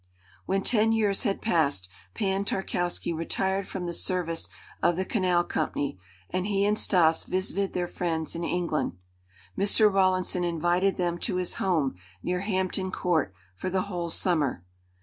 When ten years had passed, Pan Tarkowski retired from the service of the Canal Company, and he and Stas visited their friends in England. Mr. Rawlinson invited them to his home, near Hampton Court, for the whole summer.